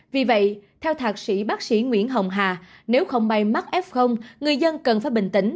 vì vậy theo thạc sĩ bác sĩ nguyễn hồng hà nếu không may mắc f người dân cần phải bình tĩnh